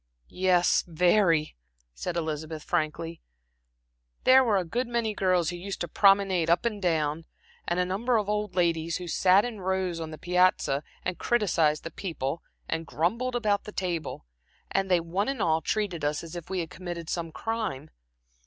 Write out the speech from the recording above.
"Yes, very," said Elizabeth, frankly. "There were a good many girls who used to promenade up and down, and a number of old ladies who sat in rows on the piazza and criticized the people and grumbled about the table; and they one and all treated us as if we had committed some crime.